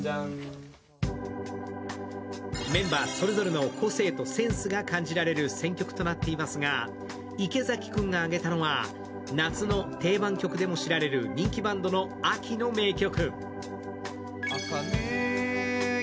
メンバーそれぞれの個性とセンスが感じられる選曲となっていますが池崎君が挙げたのが夏の定番曲でも知られる人気バンドの秋の名曲。